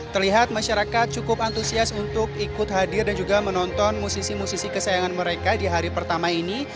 terlihat masyarakat cukup antusias untuk ikut hadir dan juga menonton musisi musisi kesayangan mereka di hari pertama ini